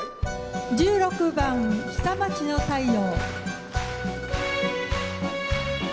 １６番「下町の太陽」。